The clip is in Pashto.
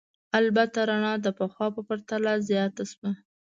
البته رڼا د پخوا په پرتله زیاته شوه.